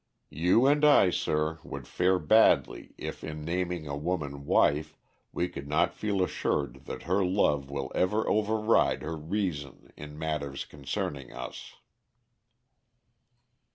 You and I, sir, would fare badly if in naming a woman wife we could not feel assured that her love will ever override her reason in matters concerning us.